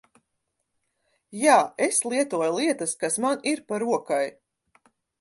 Jā, es lietoju lietas kas man ir pa rokai.